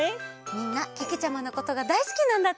みんなけけちゃまのことがだいすきなんだって。